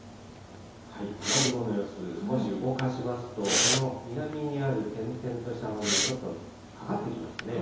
雨雲の様子、少し動かしますと、この南にある点々とした雨雲、ちょっとかかってきましたね。